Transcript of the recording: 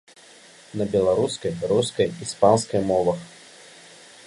На беларускай, рускай, іспанскай мовах.